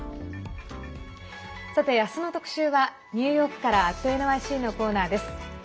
明日の特集はニューヨークから「＠ｎｙｃ」のコーナーです。